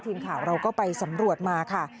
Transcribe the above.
ทีมข่าวเราก็ไปสำรวจมาค่ะ